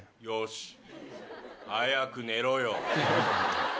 よし。